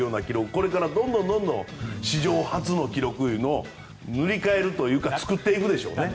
これからどんどん史上初の記録を塗り替えるというか作っていくでしょうね。